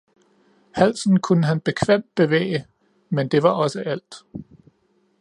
Halsen kunne han bekvemt bevæge, men det var også alt.